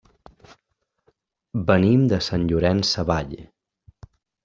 Venim de Sant Llorenç Savall.